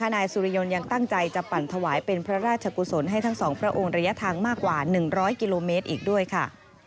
นายสุริยนต์ยังตั้งใจจะปั่นถวายเป็นพระราชกุศลให้ทั้งสองพระองค์ระยะทางมากกว่า๑๐๐กิโลเมตรอีกด้วยค่ะ